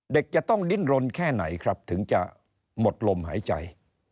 เด็กจะต้องดิ้นรนแค่ไหนครับถึงจะหมดลมหายใจ